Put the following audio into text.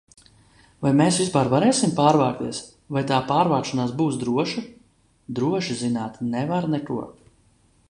Vai mēs vispār varēsim pārvākties, vai tā pārvākšanās būs droša? Droši zināt nevar neko.